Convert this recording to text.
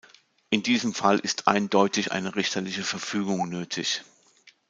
In diesem Fall ist eindeutig eine richterliche Verfügung nötig.